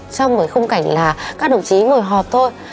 trong cái khung cảnh là các đồng chí ngồi họp thôi